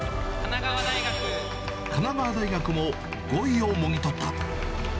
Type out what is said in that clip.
神奈川大学も５位をもぎ取った。